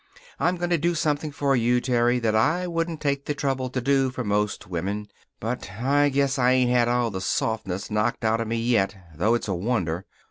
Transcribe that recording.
I'm going to do something for you, Terry, that I wouldn't take the trouble to do for most women. But I guess I ain't had all the softness knocked out of me yet, though it's a wonder.